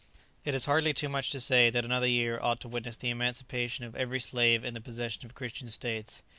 It is hardly too much to say that another year ought to witness the emancipation of every slave in the possession of Christian states.